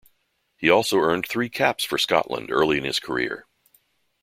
He also earned three caps for Scotland early in his career.